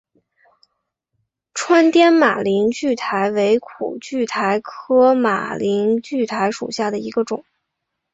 川滇马铃苣苔为苦苣苔科马铃苣苔属下的一个种。